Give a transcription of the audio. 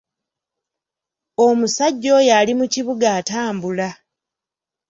Omusajja oyo ali mu kibuga atambula.